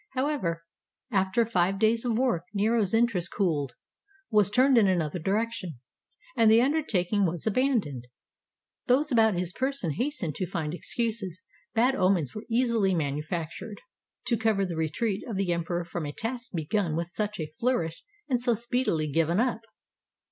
However, after five days of work, Nero's interest cooled, was turned in another direction — and the undertaking was aban doned. Those about his person hastened to find excuses — bad omens were easily manufactured — to cover the retreat of the emperor from a task begun with such a flourish and so speedily given up.